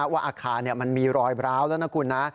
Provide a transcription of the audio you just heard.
ว่าอาคารมันมีรอยร้าวแล้วนะคุณนะ